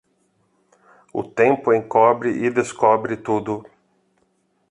O tempo encobre e descobre tudo.